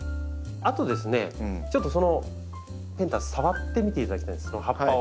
あとですねちょっとそのペンタス触ってみていただきたいんです葉っぱを。